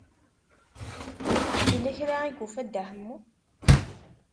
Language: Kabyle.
Yella kra i yufa Dda Ḥemmu.